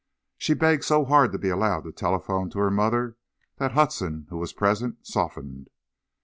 She begged so hard to be allowed to telephone to her mother that Hudson, who was present, softened.